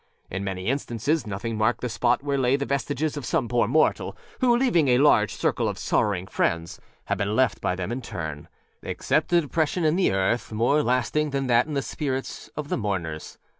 In many instances nothing marked the spot where lay the vestiges of some poor mortalâwho, leaving âa large circle of sorrowing friends,â had been left by them in turnâexcept a depression in the earth, more lasting than that in the spirits of the mourners.